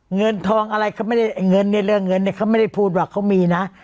เงินทองอะไรเขาไม่ได้เงินเนี่ยเรื่องเงินเนี่ยเขาไม่ได้พูดว่าเขามีนะ